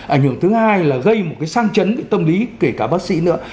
ảnh hưởng thứ hai là gây một cái sang chấn về tâm lý kể cả bác sĩ nữa